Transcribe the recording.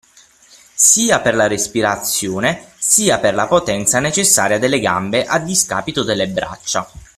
sia per la respirazione sia per la potenza necessaria delle gambe a discapito delle braccia.